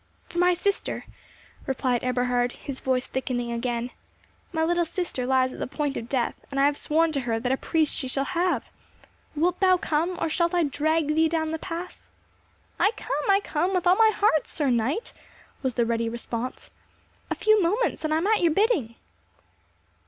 "For my sister," replied Eberhard, his voice thickening again. "My little sister lies at the point of death, and I have sworn to her that a priest she shall have. Wilt thou come, or shall I drag thee down the pass?" "I come, I come with all my heart, sir knight," was the ready response. "A few moments and I am at your bidding."